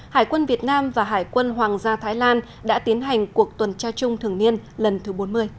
hải quân việt nam và hải quân hoàng gia thái lan đã tiến hành cuộc tuần tra chung thường niên lần thứ bốn mươi